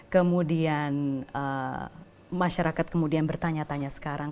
kemudian masyarakat kemudian bertanya tanya sekarang